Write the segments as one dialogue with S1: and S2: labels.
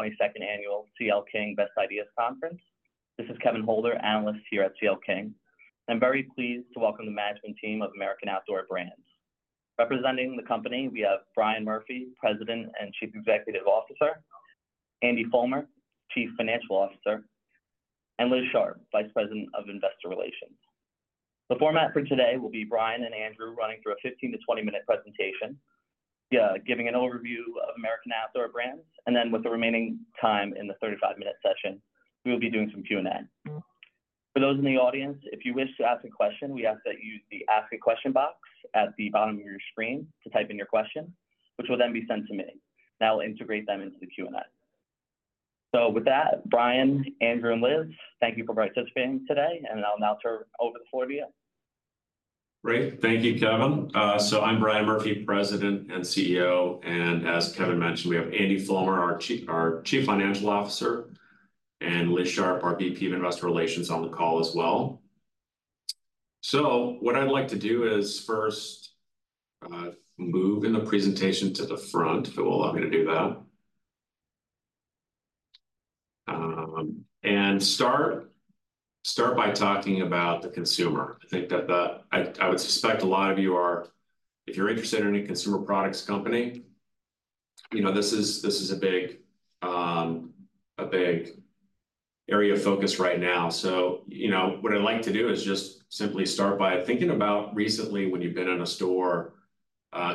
S1: The 22nd Annual C.L. King's Best Ideas Conference. This is Kevin Holder, analyst here at C.L. King. I'm very pleased to welcome the management team of American Outdoor Brands. Representing the company, we have Brian Murphy, President and Chief Executive Officer, Andy Fulmer, Chief Financial Officer, and Liz Sharp, Vice President of Investor Relations. The format for today will be Brian and Andrew running through a 15 to 20-minute presentation, giving an overview of American Outdoor Brands, and then with the remaining time in the 35-minute session, we will be doing some Q&A. For those in the audience, if you wish to ask a question, we ask that you use the Ask a Question box at the bottom of your screen to type in your question, which will then be sent to me. That will integrate them into the Q&A. So with that, Brian, Andrew, and Liz, thank you for participating today, and I'll now turn over the floor to you.
S2: Great. Thank you, Kevin. So I'm Brian Murphy, President and CEO, and as Kevin mentioned, we have Andy Fulmer, our Chief Financial Officer, and Liz Sharp, our VP of Investor Relations, on the call as well. So what I'd like to do is first move in the presentation to the front, if it will allow me to do that. And start by talking about the consumer. I think that I would suspect a lot of you are. If you're interested in any consumer products company, you know, this is a big area of focus right now. So, you know, what I'd like to do is just simply start by thinking about recently when you've been in a store,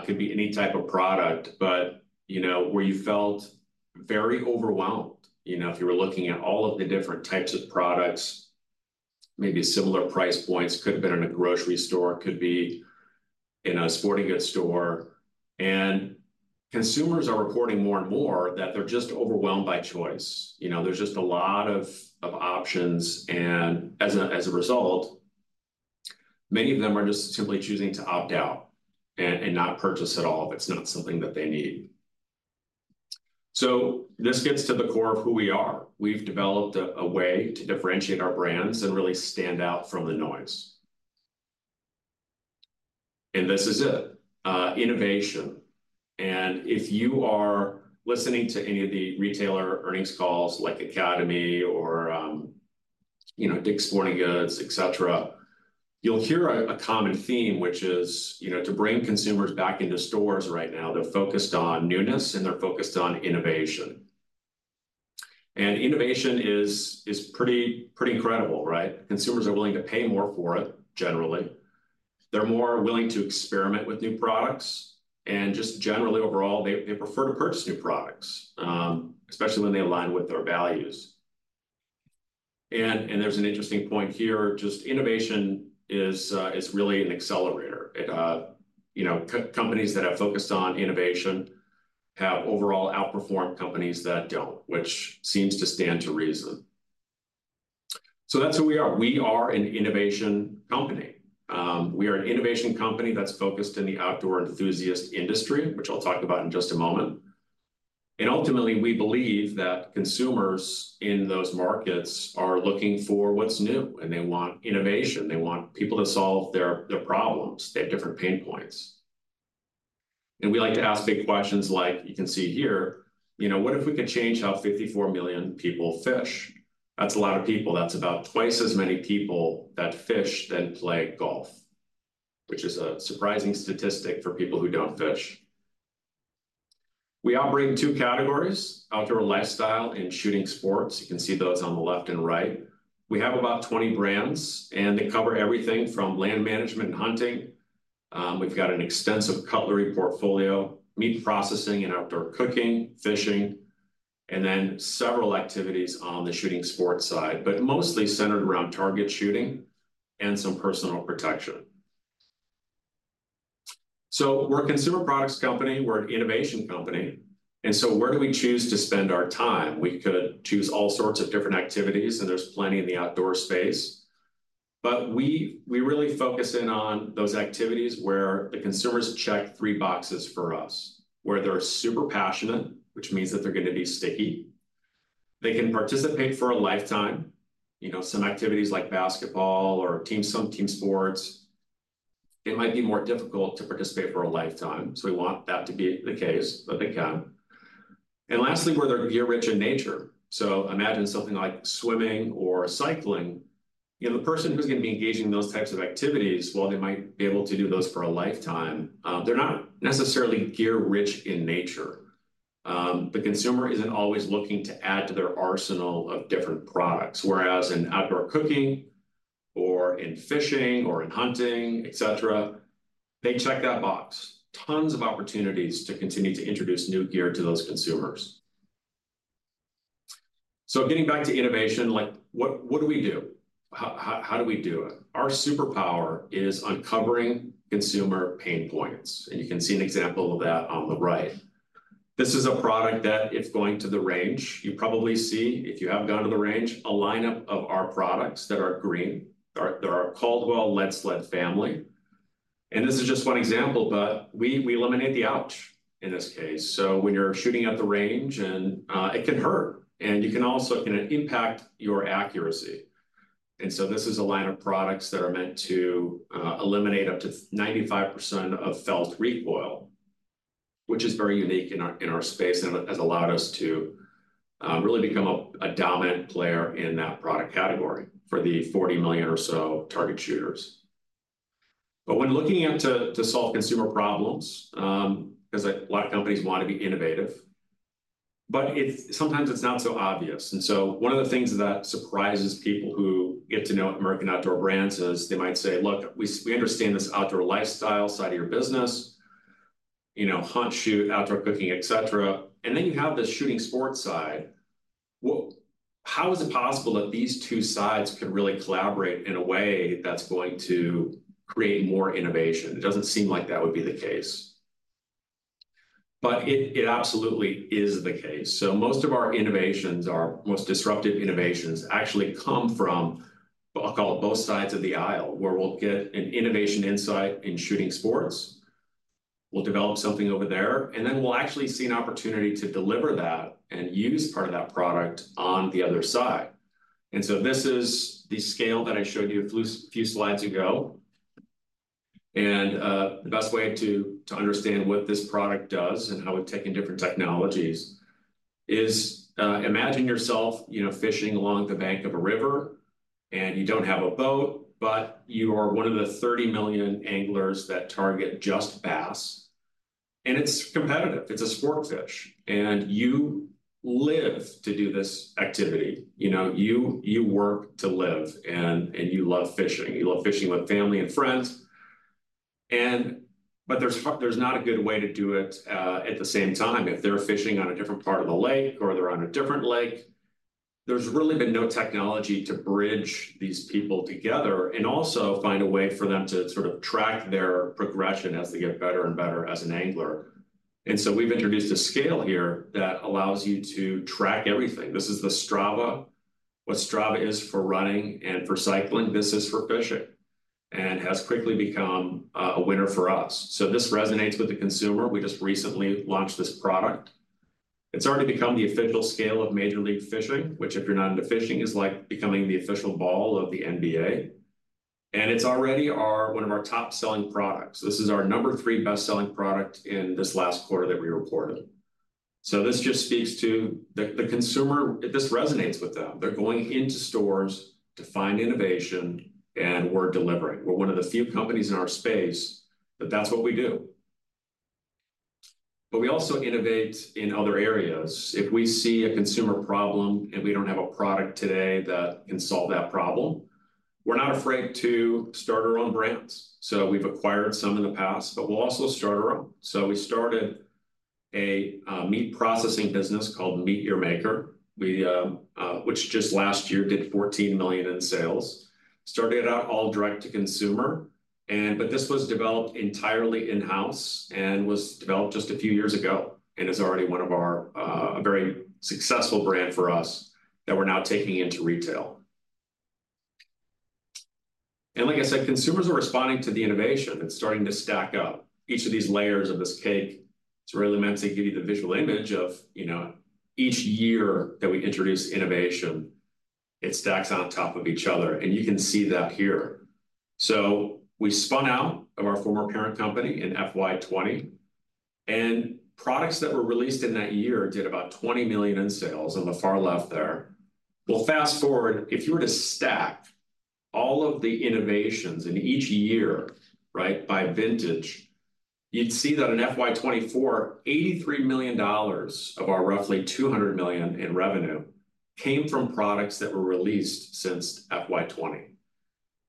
S2: could be any type of product, but, you know, where you felt very overwhelmed. You know, if you were looking at all of the different types of products, maybe similar price points, could have been in a grocery store, could be in a sporting goods store, and consumers are reporting more and more that they're just overwhelmed by choice. You know, there's just a lot of options, and as a result, many of them are just simply choosing to opt out and not purchase at all if it's not something that they need, so this gets to the core of who we are. We've developed a way to differentiate our brands and really stand out from the noise, and this is it, innovation. And if you are listening to any of the retailer earnings calls like Academy or, you know, Dick's Sporting Goods, et cetera, you'll hear a common theme, which is, you know, to bring consumers back into stores right now, they're focused on newness, and they're focused on innovation. And innovation is pretty incredible, right? Consumers are willing to pay more for it, generally. They're more willing to experiment with new products, and just generally, overall, they prefer to purchase new products, especially when they align with their values. And there's an interesting point here, just innovation is really an accelerator. It, you know, companies that have focused on innovation have overall outperformed companies that don't, which seems to stand to reason. So that's who we are. We are an innovation company. We are an innovation company that's focused in the outdoor enthusiast industry, which I'll talk about in just a moment. Ultimately, we believe that consumers in those markets are looking for what's new, and they want innovation. They want people to solve their problems. They have different pain points. We like to ask big questions like you can see here, you know, what if we could change how 54 million people fish? That's a lot of people. That's about twice as many people that fish than play golf, which is a surprising statistic for people who don't fish. We operate in two categories: Outdoor Lifestyle and Shooting Sports. You can see those on the left and right. We have about 20 brands, and they cover everything from land management and hunting. We've got an extensive cutlery portfolio, meat processing and outdoor cooking, fishing, and then several activities on the shooting sports side, but mostly centered around target shooting and some personal protection. So we're a consumer products company. We're an innovation company, and so where do we choose to spend our time? We could choose all sorts of different activities, and there's plenty in the outdoor space, but we really focus in on those activities where the consumers check three boxes for us, where they're super passionate, which means that they're gonna be sticky. They can participate for a lifetime. You know, some activities like basketball or team sports, it might be more difficult to participate for a lifetime, so we want that to be the case, but they can. And lastly, where they're gear-rich in nature. So imagine something like swimming or cycling. You know, the person who's gonna be engaging in those types of activities, while they might be able to do those for a lifetime, they're not necessarily gear-rich in nature. The consumer isn't always looking to add to their arsenal of different products. Whereas in outdoor cooking or in fishing or in hunting, et cetera, they check that box. Tons of opportunities to continue to introduce new gear to those consumers. So getting back to innovation, like what do we do? How do we do it? Our superpower is uncovering consumer pain points, and you can see an example of that on the right. This is a product that, if going to the range, you probably see, if you have gone to the range, a lineup of our products that are green. They're our Caldwell Lead Sled family. And this is just one example, but we eliminate the ouch in this case. So when you're shooting at the range, and it can hurt, and it can impact your accuracy. And so this is a line of products that are meant to eliminate up to 95% of felt recoil, which is very unique in our space and has allowed us to really become a dominant player in that product category for the 40 million or so target shooters. But when looking to solve consumer problems, 'cause a lot of companies want to be innovative, but it's sometimes not so obvious. One of the things that surprises people who get to know American Outdoor Brands is they might say: "Look, we understand this outdoor lifestyle side of your business, you know, hunt, shoot, outdoor cooking, et cetera, and then you have this shooting sports side. Well, how is it possible that these two sides can really collaborate in a way that's going to create more innovation? It doesn't seem like that would be the case." But it absolutely is the case. Most of our innovations, our most disruptive innovations, actually come from, I'll call it, both sides of the aisle, where we'll get an innovation insight in shooting sports. We'll develop something over there, and then we'll actually see an opportunity to deliver that and use part of that product on the other side. And so this is the scale that I showed you a few slides ago. And, the best way to understand what this product does and how we've taken different technologies is, imagine yourself, you know, fishing along the bank of a river, and you don't have a boat, but you are one of the 30 million anglers that target just bass. And it's competitive. It's a sport fish, and you live to do this activity. You know, you work to live, and you love fishing. You love fishing with family and friends, and, but there's not a good way to do it at the same time. If they're fishing on a different part of the lake or they're on a different lake, there's really been no technology to bridge these people together and also find a way for them to sort of track their progression as they get better and better as an angler. And so we've introduced a scale here that allows you to track everything. This is the Strava. What Strava is for running and for cycling, this is for fishing, and has quickly become a winner for us. So this resonates with the consumer. We just recently launched this product. It's already become the official scale of Major League Fishing, which, if you're not into fishing, is like becoming the official ball of the NBA, and it's already our one of our top-selling products. This is our number three best-selling product in this last quarter that we reported. So this just speaks to the consumer. This resonates with them. They're going into stores to find innovation, and we're delivering. We're one of the few companies in our space, but that's what we do. But we also innovate in other areas. If we see a consumer problem, and we don't have a product today that can solve that problem, we're not afraid to start our own brands. So we've acquired some in the past, but we'll also start our own. So we started a meat processing business called MEAT! Your Maker which just last year did $14 million in sales. Started out all direct to consumer, but this was developed entirely in-house and was developed just a few years ago and is already one of our, a very successful brand for us that we're now taking into retail. Like I said, consumers are responding to the innovation. It's starting to stack up. Each of these layers of this cake, it's really meant to give you the visual image of, you know, each year that we introduce innovation, it stacks on top of each other, and you can see that here. So we spun out of our former parent company in FY 2020, and products that were released in that year did about $20 million in sales on the far left there. Well, fast-forward, if you were to stack all of the innovations in each year, right, by vintage, you'd see that in FY 2024, $83 million of our roughly $200 million in revenue came from products that were released since FY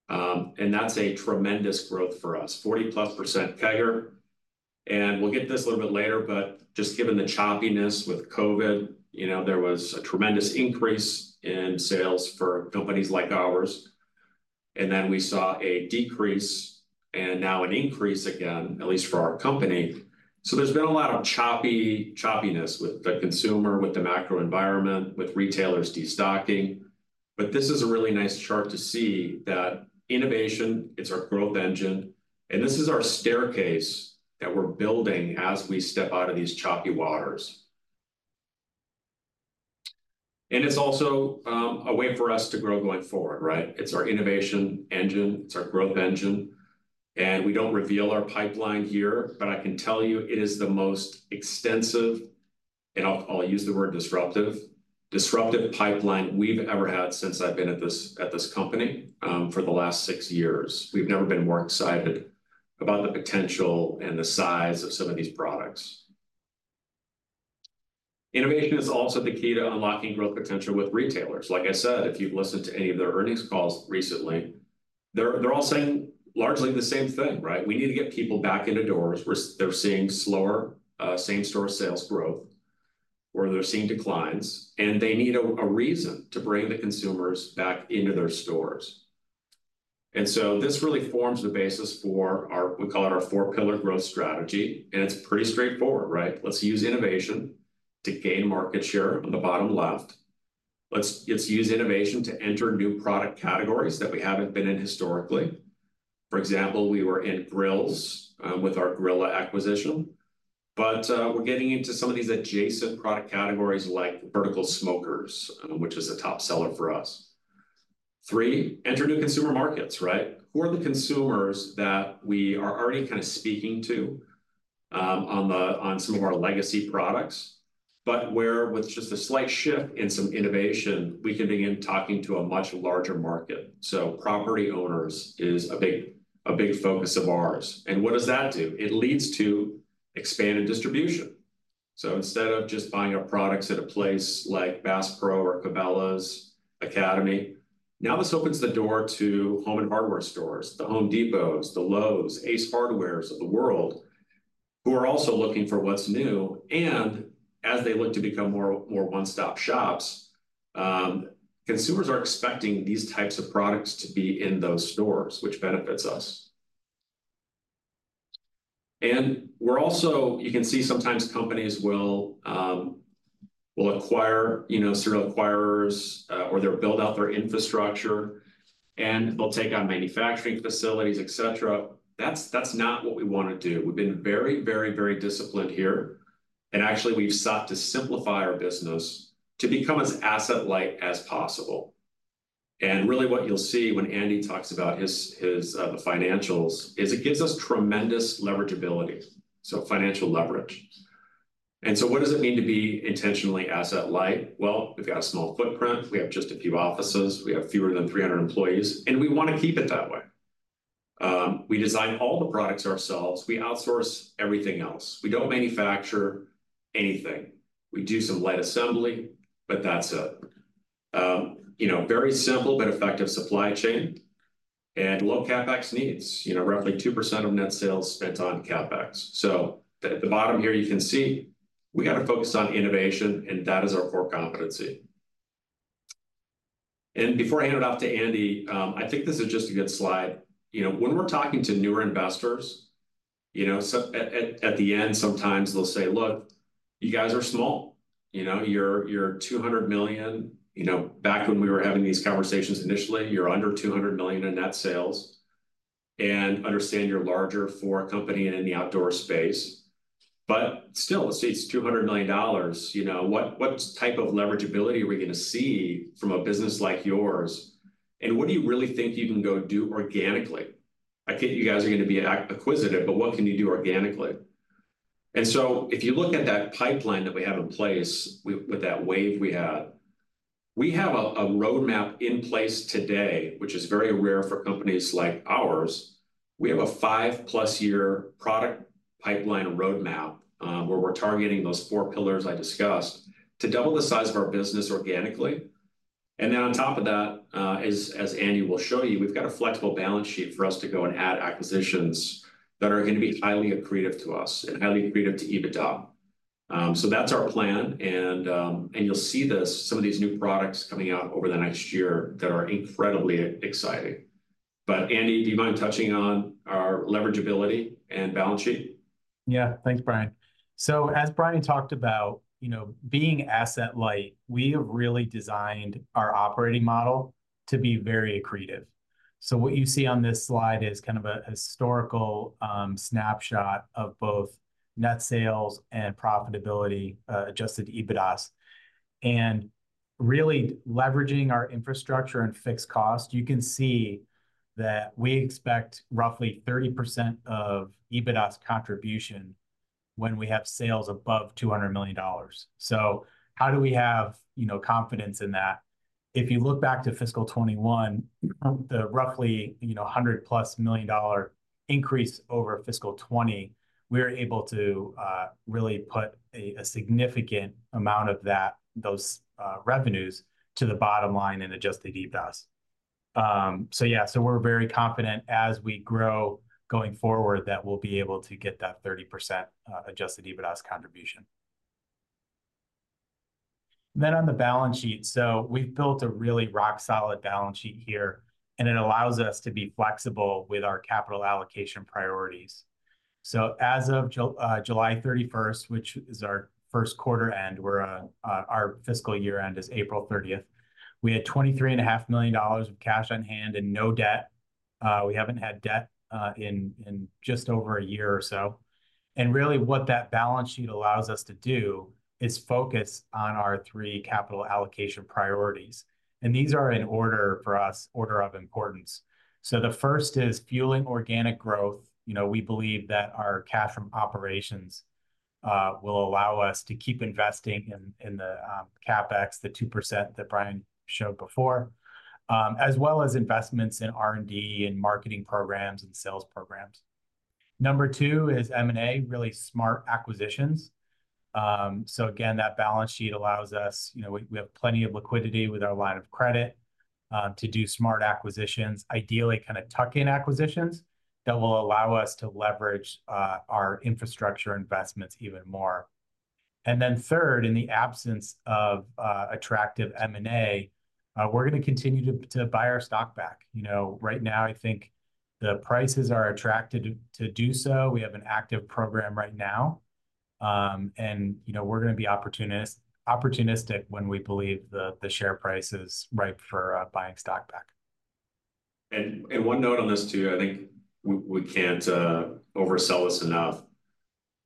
S2: 2020. That's a tremendous growth for us, 40+% CAGR, and we'll get this a little bit later, but just given the choppiness with COVID, you know, there was a tremendous increase in sales for companies like ours, and then we saw a decrease, and now an increase again, at least for our company. So there's been a lot of choppiness with the consumer, with the macro environment, with retailers destocking, but this is a really nice chart to see that innovation is our growth engine, and this is our staircase that we're building as we step out of these choppy waters. It's also a way for us to grow going forward, right? It's our innovation engine. It's our growth engine, and we don't reveal our pipeline here, but I can tell you it is the most extensive, and I'll use the word disruptive pipeline we've ever had since I've been at this company for the last six years. We've never been more excited about the potential and the size of some of these products. Innovation is also the key to unlocking growth potential with retailers. Like I said, if you've listened to any of their earnings calls recently, they're all saying largely the same thing, right? "We need to get people back into doors." They're seeing slower same-store sales growth, or they're seeing declines, and they need a reason to bring the consumers back into their stores. And so this really forms the basis for our, we call it our four-pillar growth strategy, and it's pretty straightforward, right? Let's use innovation to gain market share on the bottom left. Let's use innovation to enter new product categories that we haven't been in historically. For example, we were in grills with our Grilla acquisition. But we're getting into some of these adjacent product categories like vertical smokers, which is a top seller for us. Three, enter new consumer markets, right? Who are the consumers that we are already kind of speaking to on some of our legacy products, but where with just a slight shift in some innovation, we can begin talking to a much larger market? So property owners is a big, a big focus of ours. And what does that do? It leads to expanded distribution. So instead of just buying our products at a place like Bass Pro or Cabela's, Academy, now this opens the door to home and hardware stores, the Home Depots, the Lowe's, Ace Hardwares of the world, who are also looking for what's new. And as they look to become more one-stop shops, consumers are expecting these types of products to be in those stores, which benefits us. And we're also. You can see sometimes companies will acquire, you know, serial acquirers, or they'll build out their infrastructure, and they'll take on manufacturing facilities, et cetera. That's not what we want to do. We've been very disciplined here, and actually, we've sought to simplify our business to become as asset light as possible. And really, what you'll see when Andy talks about the financials is it gives us tremendous leverage ability, so financial leverage. And so what does it mean to be intentionally asset light? Well, we've got a small footprint. We have just a few offices. We have fewer than 300 employees, and we want to keep it that way. We design all the products ourselves. We outsource everything else. We don't manufacture anything. We do some light assembly, but that's it. You know, very simple but effective supply chain and low CapEx needs. You know, roughly 2% of net sales spent on CapEx. So at the bottom here, you can see we got to focus on innovation, and that is our core competency. And before I hand it off to Andy, I think this is just a good slide. You know, when we're talking to newer investors, you know, so at the end, sometimes they'll say, "Look, you guys are small. You know, you're $200 million. You know, back when we were having these conversations initially, you're under $200 million in net sales. And understand you're larger for a company in the outdoor space, but still, it's $200 million. You know, what type of leverage ability are we going to see from a business like yours, and what do you really think you can go do organically? I get you guys are going to be acquisitive, but what can you do organically?" And so if you look at that pipeline that we have in place with that wave we had, we have a roadmap in place today, which is very rare for companies like ours. We have a five-plus year product pipeline roadmap, where we're targeting those four pillars I discussed, to double the size of our business organically. And then on top of that, as Andy will show you, we've got a flexible balance sheet for us to go and add acquisitions that are going to be highly accretive to us and highly accretive to EBITDA, so that's our plan, and you'll see this, some of these new products coming out over the next year that are incredibly exciting, but Andy, do you mind touching on our leverage ability and balance sheet?
S3: Yeah. Thanks, Brian. So as Brian talked about, you know, being asset light, we have really designed our operating model to be very accretive. So what you see on this slide is kind of a historical snapshot of both net sales and profitability, adjusted EBITDA. And really leveraging our infrastructure and fixed cost, you can see that we expect roughly 30% of EBITDA's contribution when we have sales above $200 million. So how do we have, you know, confidence in that? If you look back to fiscal 2021, the roughly, you know, 100+ million dollar increase over fiscal 2020, we're able to really put a significant amount of that, those revenues to the bottom line in adjusted EBITDA. So yeah, so we're very confident as we grow going forward, that we'll be able to get that 30% Adjusted EBITDA's contribution. Then on the balance sheet, so we've built a really rock-solid balance sheet here, and it allows us to be flexible with our capital allocation priorities. So as of July 31st, which is our first quarter end, where our fiscal year-end is April 30th, we had $23.5 million of cash on hand and no debt. We haven't had debt in just over a year or so. And really, what that balance sheet allows us to do is focus on our three capital allocation priorities, and these are in order for us, order of importance. So the first is fueling organic growth. You know, we believe that our cash from operations will allow us to keep investing in the CapEx, the 2% that Brian showed before, as well as investments in R&D and marketing programs and sales programs. Number two is M&A, really smart acquisitions. So again, that balance sheet allows us. You know, we have plenty of liquidity with our line of credit to do smart acquisitions, ideally, kind of tuck-in acquisitions that will allow us to leverage our infrastructure investments even more. And then third, in the absence of attractive M&A, we're going to continue to buy our stock back. You know, right now, I think the prices are attractive to do so. We have an active program right now. And you know, we're gonna be opportunistic when we believe the share price is ripe for buying stock back.
S2: One note on this, too. I think we can't oversell this enough.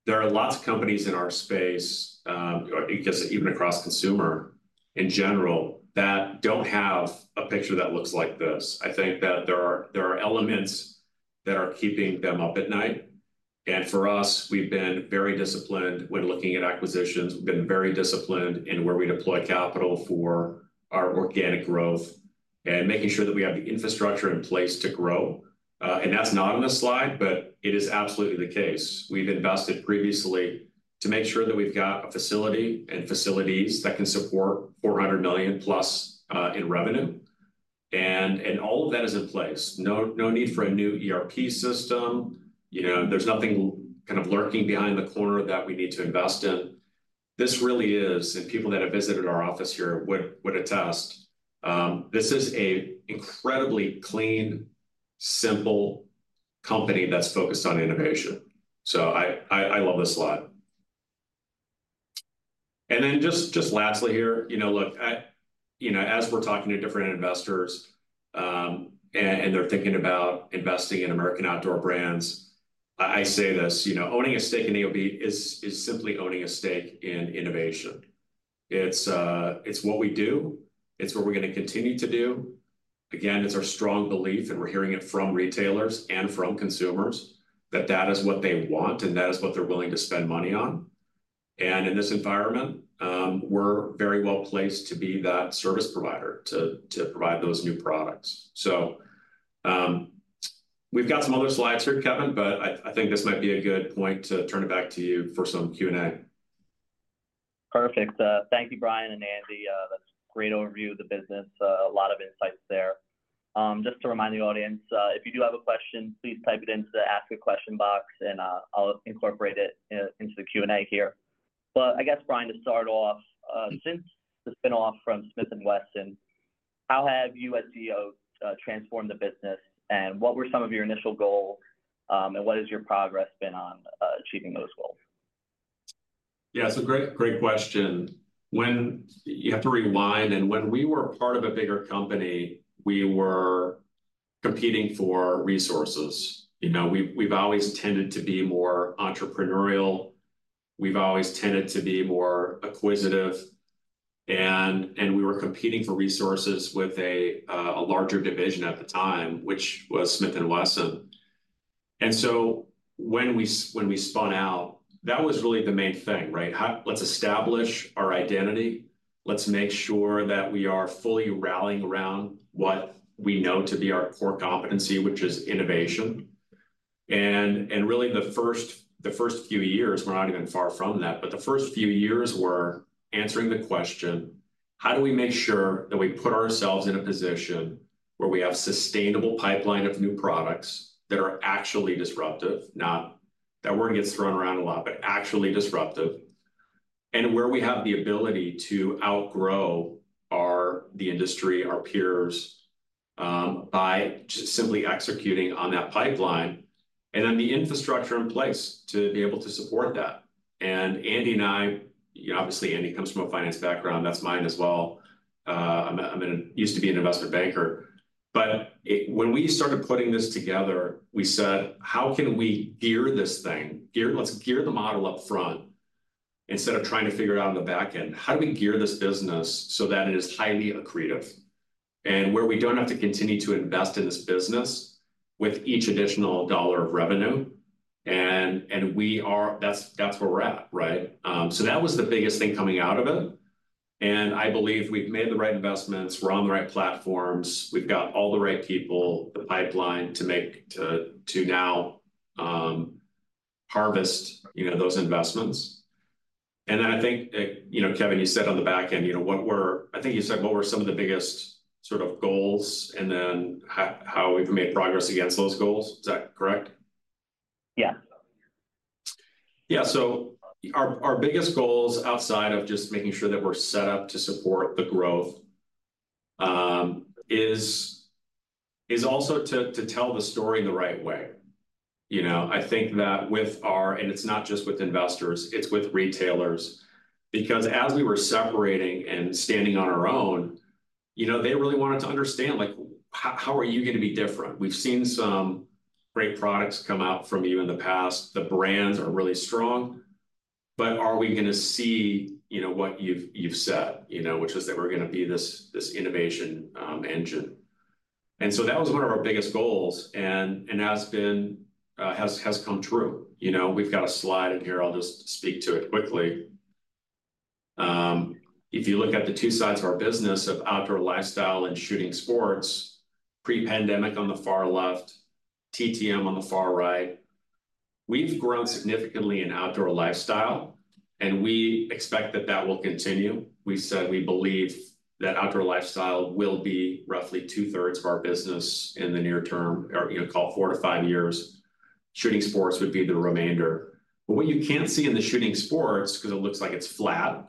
S2: There are lots of companies in our space, I guess even across consumer in general, that don't have a picture that looks like this. I think that there are elements that are keeping them up at night, and for us, we've been very disciplined when looking at acquisitions. We've been very disciplined in where we deploy capital for our organic growth and making sure that we have the infrastructure in place to grow. That's not on this slide, but it is absolutely the case. We've invested previously to make sure that we've got a facility and facilities that can support $400 million plus in revenue, and all of that is in place. No, no need for a new ERP system, you know, there's nothing kind of lurking behind the corner that we need to invest in. This really is, and people that have visited our office here would attest, this is an incredibly clean, simple company that's focused on innovation. So I love this slide. And then, just lastly here, you know, look, you know, as we're talking to different investors, and they're thinking about investing in American Outdoor Brands, I say this, you know, owning a stake in AOB is simply owning a stake in innovation. It's what we do. It's what we're gonna continue to do. Again, it's our strong belief, and we're hearing it from retailers and from consumers, that that is what they want, and that is what they're willing to spend money on. And in this environment, we're very well-placed to be that service provider to provide those new products. So, we've got some other slides here, Kevin, but I think this might be a good point to turn it back to you for some Q&A.
S1: Perfect. Thank you, Brian and Andy. That's a great overview of the business, a lot of insights there. Just to remind the audience, if you do have a question, please type it into the Ask a Question box, and I'll incorporate it into the Q&A here. But I guess, Brian, to start off, since the spin-off from Smith & Wesson, how have you as CEO transformed the business, and what were some of your initial goals, and what has your progress been on achieving those goals?
S2: Yeah, so great, great question. You have to rewind, and when we were part of a bigger company, we were competing for resources. You know, we've always tended to be more entrepreneurial. We've always tended to be more acquisitive, and we were competing for resources with a larger division at the time, which was Smith & Wesson. And so when we spun out, that was really the main thing, right? Let's establish our identity. Let's make sure that we are fully rallying around what we know to be our core competency, which is innovation. And really, the first few years, we're not even far from that, but the first few years were answering the question: How do we make sure that we put ourselves in a position where we have sustainable pipeline of new products that are actually disruptive. That word gets thrown around a lot, but actually disruptive, and where we have the ability to outgrow the industry, our peers, by just simply executing on that pipeline, and then the infrastructure in place to be able to support that? Andy and I, you know, obviously, Andy comes from a finance background. That's mine as well. I used to be an investment banker. But when we started putting this together, we said, "How can we gear this thing?" Let's gear the model up front instead of trying to figure it out on the back end. How do we gear this business so that it is highly accretive, and where we don't have to continue to invest in this business with each additional dollar of revenue? And we are. That's where we're at, right? So that was the biggest thing coming out of it, and I believe we've made the right investments. We're on the right platforms. We've got all the right people, the pipeline to make to now harvest, you know, those investments. And then, I think, you know, Kevin, you said on the back end, you know, what were. I think you said, what were some of the biggest sort of goals, and then how, how we've made progress against those goals. Is that correct?
S1: Yeah.
S2: Yeah, so our biggest goals, outside of just making sure that we're set up to support the growth, is also to tell the story the right way. You know, I think that. And it's not just with investors, it's with retailers. Because as we were separating and standing on our own, you know, they really wanted to understand, like, "How are you gonna be different? We've seen some great products come out from you in the past. The brands are really strong, but are we gonna see, you know, what you've said?" You know, which is that we're gonna be this innovation engine. And so that was one of our biggest goals, and it has come true. You know, we've got a slide in here. I'll just speak to it quickly. If you look at the two sides of our business, of outdoor lifestyle and shooting sports, pre-pandemic on the far left, TTM on the far right, we've grown significantly in outdoor lifestyle, and we expect that that will continue. We said we believe that outdoor lifestyle will be roughly two-thirds of our business in the near term, or, you know, call it four to five years. Shooting sports would be the remainder. But what you can't see in the shooting sports, 'cause it looks like it's flat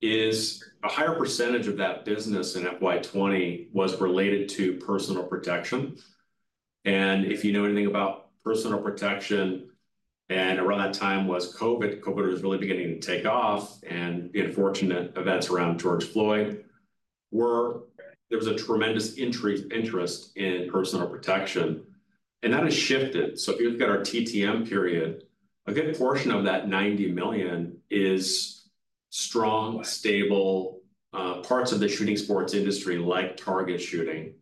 S2: is a higher percentage of that business in FY 2020 was related to personal protection. And if you know anything about personal protection, and around that time was COVID. COVID was really beginning to take off, and the unfortunate events around George Floyd were. There was a tremendous interest in personal protection, and that has shifted. So if you look at our TTM period, a good portion of that $90 million is strong, stable parts of the shooting sports industry, like target shooting,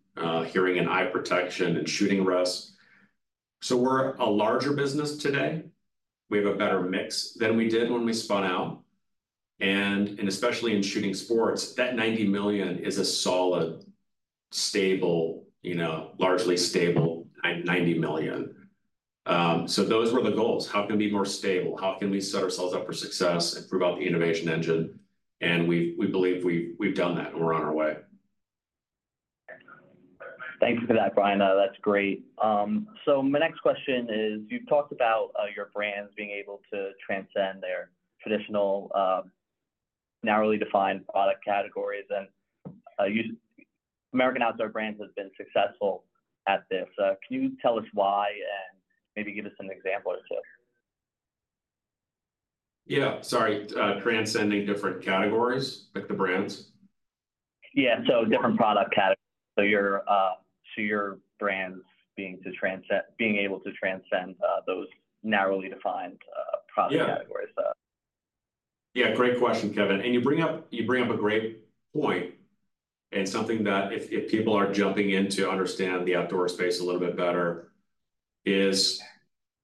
S2: hearing and eye protection, and shooting rests. So we're a larger business today. We have a better mix than we did when we spun out, and especially in shooting sports, that $90 million is a solid, stable, you know, largely stable $90 million. So those were the goals. How can we be more stable? How can we set ourselves up for success and prove out the innovation engine? And we believe we've done that, and we're on our way.
S1: Thanks for that, Brian. That's great. So my next question is, you've talked about your brands being able to transcend their traditional narrowly defined product categories, and American Outdoor Brands has been successful at this. Can you tell us why, and maybe give us an example or two?
S2: Yeah, sorry, transcending different categories, like the brands?
S1: Yeah, so different product categories. So your brands being able to transcend those narrowly defined product categories.
S2: Yeah, great question, Kevin. And you bring up a great point, and something that if people are jumping in to understand the outdoor space a little bit better is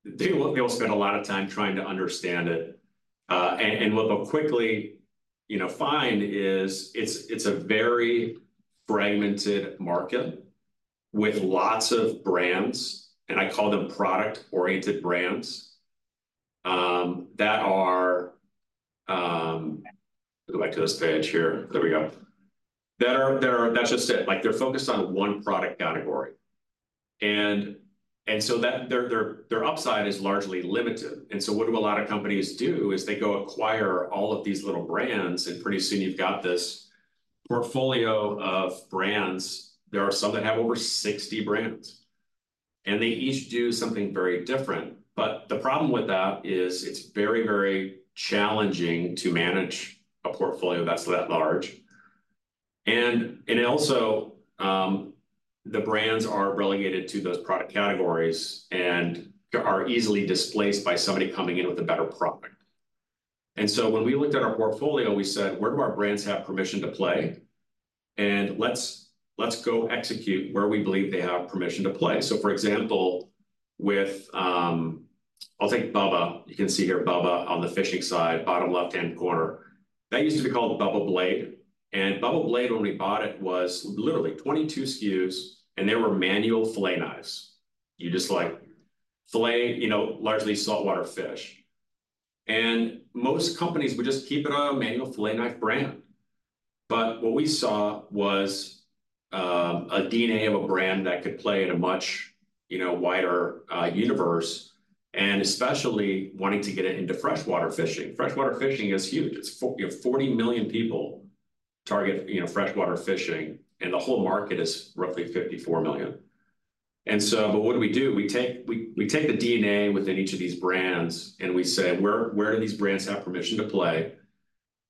S2: they will spend a lot of time trying to understand it. And what they'll quickly, you know, find is it's a very fragmented market with lots of brands, and I call them product-oriented brands that are. Go back to this page here. There we go. That's just it. Like, they're focused on one product category, and so that their upside is largely limited. And so what do a lot of companies do is they go acquire all of these little brands, and pretty soon you've got this portfolio of brands. There are some that have over sixty brands, and they each do something very different. But the problem with that is it's very, very challenging to manage a portfolio that's that large. And also, the brands are relegated to those product categories and are easily displaced by somebody coming in with a better product. And so when we looked at our portfolio, we said: "Where do our brands have permission to play? And let's go execute where we believe they have permission to play." So, for example, with, I'll take Bubba. You can see here, Bubba, on the fishing side, bottom left-hand corner. That used to be called Bubba Blade, and Bubba Blade, when we bought it, was literally twenty-two SKUs, and they were manual fillet knives. You just, like, fillet, you know, largely saltwater fish. And most companies would just keep it a manual fillet knife brand. But what we saw was a DNA of a brand that could play in a much, you know, wider universe, and especially wanting to get it into freshwater fishing. Freshwater fishing is huge. It's for, you know, 40 million people target, you know, freshwater fishing, and the whole market is roughly 54 million. And so but what do we do? We take the DNA within each of these brands, and we say, "Where do these brands have permission to play?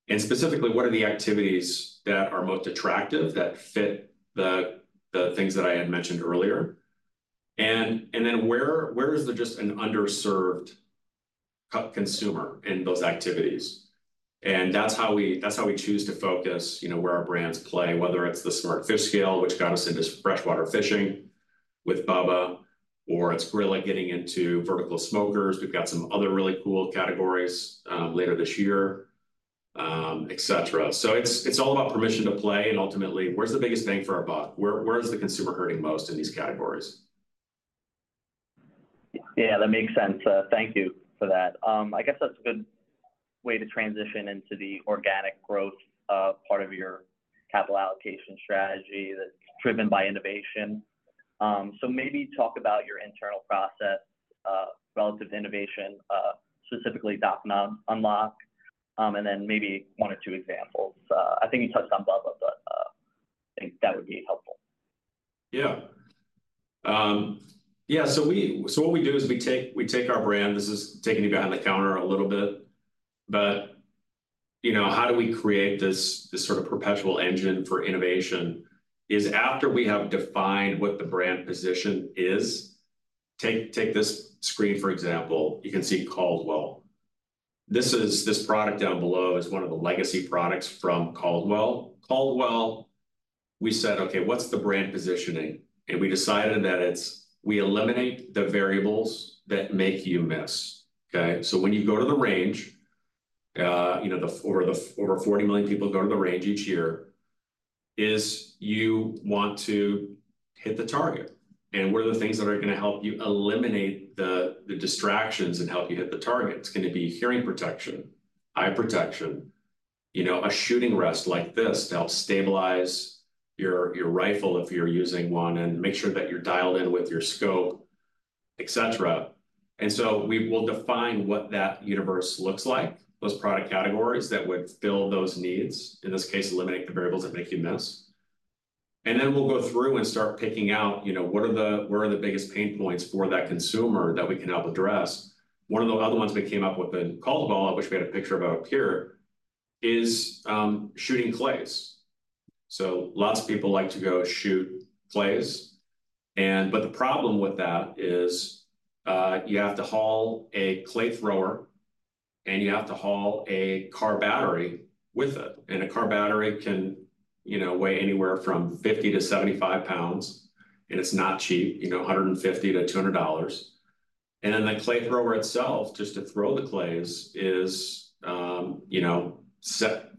S2: And specifically, what are the activities that are most attractive, that fit the things that I had mentioned earlier? And then where is there just an underserved consumer in those activities?" And that's how we choose to focus, you know, where our brands play, whether it's the Smart Fish Scale, which got us into freshwater fishing with Bubba, or it's Grilla getting into vertical smokers. We've got some other really cool categories later this year, et cetera. So it's all about permission to play and ultimately, where's the biggest bang for our buck? Where is the consumer hurting most in these categories?
S1: Yeah, that makes sense. Thank you for that. I guess that's a good way to transition into the organic growth part of your capital allocation strategy that's driven by innovation. So maybe talk about your internal process of relative innovation, specifically Dock and Unlock, and then maybe one or two examples. I think you touched on Bubba, but think that would be helpful.
S2: Yeah. Yeah, so what we do is we take our brand. This is taking it behind the counter a little bit, but, you know, how do we create this sort of perpetual engine for innovation? It is after we have defined what the brand position is. Take this screen, for example. You can see Caldwell. This product down below is one of the legacy products from Caldwell. Caldwell, we said, "Okay, what's the brand positioning?" And we decided that it's, we eliminate the variables that make you miss, okay? So when you go to the range, you know, the over 40 million people go to the range each year. Is you want to hit the target. And what are the things that are gonna help you eliminate the distractions and help you hit the target? It's gonna be hearing protection, eye protection, you know, a shooting rest like this to help stabilize your rifle if you're using one, and make sure that you're dialed in with your scope. et cetera, and so we will define what that universe looks like, those product categories that would fill those needs, in this case, eliminate the variables that make you miss, and then we'll go through and start picking out, you know, what are the, what are the biggest pain points for that consumer that we can help address? One of the other ones we came up with in Caldwell, which we had a picture of up here, is shooting clays. So lots of people like to go shoot clays, and but the problem with that is you have to haul a clay thrower, and you have to haul a car battery with it. And a car battery can, you know, weigh anywhere from 50 to 75 pounds, and it's not cheap, you know, $150 to $200. And then the clay thrower itself, just to throw the clays, is, you know,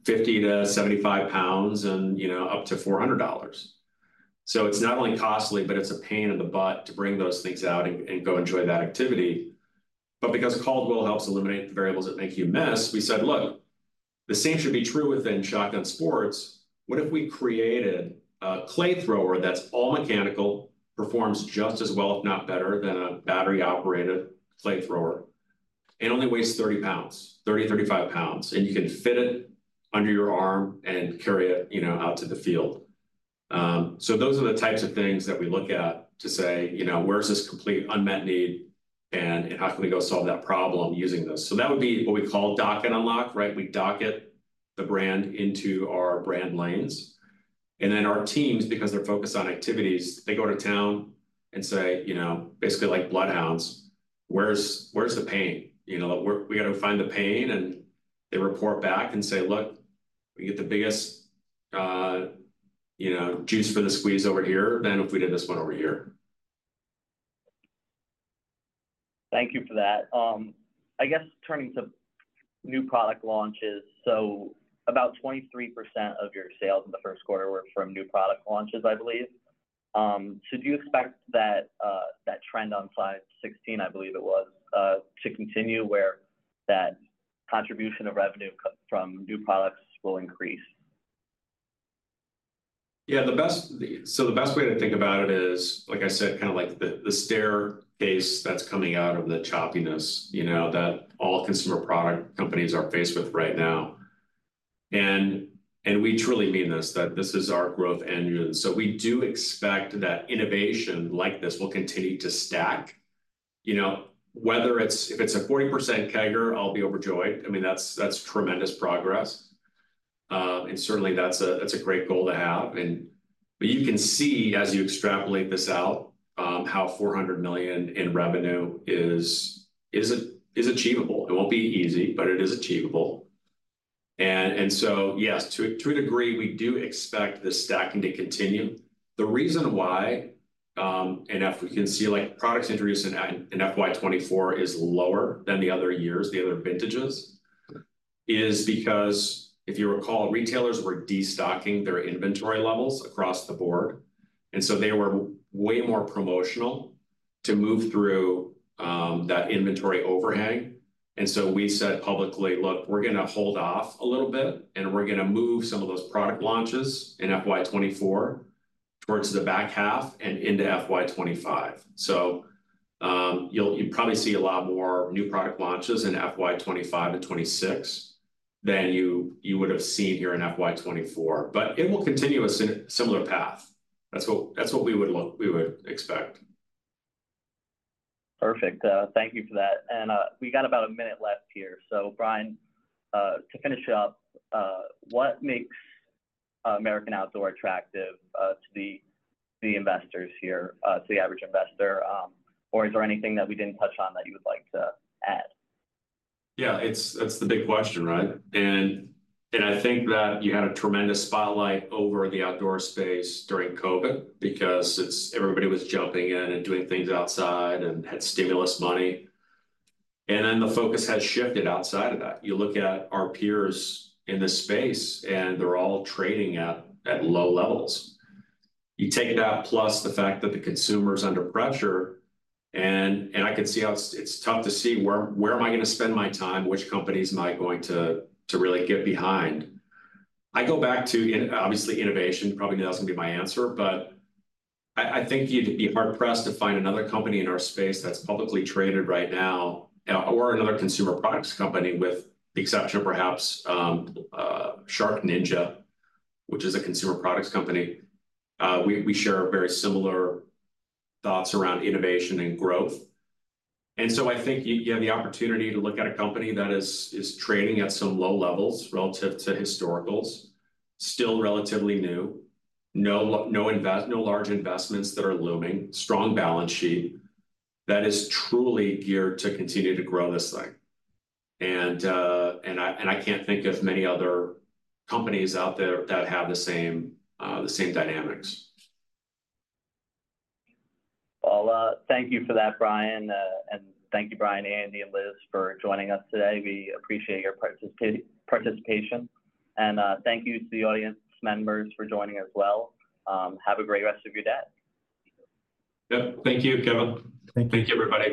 S2: 50 to 75 pounds and, you know, up to $400. So it's not only costly, but it's a pain in the butt to bring those things out and go enjoy that activity. But because Caldwell helps eliminate the variables that make you miss, we said, "Look, the same should be true within shotgun sports. What if we created a clay thrower that's all mechanical, performs just as well, if not better, than a battery-operated clay thrower, and only weighs 30 pounds, 30, 35 pounds, and you can fit it under your arm and carry it, you know, out to the field?" So those are the types of things that we look at to say, you know, "Where's this complete unmet need, and how can we go solve that problem using this?" So that would be what we call Dock and Unlock, right? We dock it, the brand, into our brand lanes, and then our teams, because they're focused on activities, they go to town and say, you know, basically like bloodhounds, "Where's the pain? You know, we gotta find the pain," and they report back and say, "Look, we get the biggest, you know, juice for the squeeze over here than if we did this one over here.
S1: Thank you for that. I guess turning to new product launches, so about 23% of your sales in the first quarter were from new product launches, I believe. So do you expect that that trend on slide 16, I believe it was, to continue, where that contribution of revenue from new products will increase?
S2: So the best way to think about it is, like I said, kind of like the staircase that's coming out of the choppiness, you know, that all consumer product companies are faced with right now. And we truly mean this, that this is our growth engine. So we do expect that innovation like this will continue to stack. You know, whether it's, if it's a 40% CAGR, I'll be overjoyed. I mean, that's, that's tremendous progress. And certainly, that's a great goal to have. But you can see, as you extrapolate this out, how $400 million in revenue is achievable. It won't be easy, but it is achievable. And so, yes, to a degree, we do expect the stacking to continue. The reason why, and if we can see, like, products introduced in FY 2024 is lower than the other years, the other vintages, is because if you recall, retailers were destocking their inventory levels across the board, and so they were way more promotional to move through that inventory overhang. And so we said publicly, "Look, we're gonna hold off a little bit, and we're gonna move some of those product launches in FY 2024 towards the back half and into FY 2025." So, you'll probably see a lot more new product launches in FY 2025 to 2026 than you would've seen here in FY 2024, but it will continue a similar path. That's what we would expect.
S1: Perfect. Thank you for that. We got about a minute left here, so Brian, to finish up, what makes American Outdoor Brands attractive to the investors here, to the average investor or is there anything that we didn't touch on that you would like to add?
S2: Yeah, it's that's the big question, right? And I think that you had a tremendous spotlight over the outdoor space during COVID because it's everybody was jumping in and doing things outside and had stimulus money, and then the focus has shifted outside of that. You look at our peers in this space, and they're all trading at low levels. You take that, plus the fact that the consumer's under pressure, and I can see how it's tough to see where am I gonna spend my time? Which companies am I going to really get behind? I go back to obviously, innovation. Probably that's gonna be my answer, but I think you'd be hard-pressed to find another company in our space that's publicly traded right now, or another consumer products company, with the exception of perhaps, SharkNinja, which is a consumer products company. We share very similar thoughts around innovation and growth. And so I think you have the opportunity to look at a company that is trading at some low levels relative to historicals, still relatively new, no large investments that are looming, strong balance sheet that is truly geared to continue to grow this thing. And I can't think of many other companies out there that have the same dynamics.
S1: Thank you for that, Brian, and thank you, Brian, Andy, and Liz, for joining us today. We appreciate your participation, and thank you to the audience members for joining as well. Have a great rest of your day.
S2: Yep. Thank you, Kevin.
S3: Thank you.
S2: Thank you, everybody.